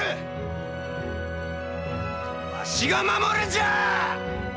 わしが守るんじゃあ！